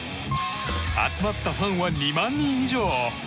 集まったファンは２万人以上！